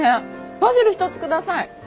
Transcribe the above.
バジル１つ下さい！